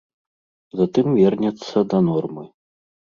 Затым вернецца да нормы.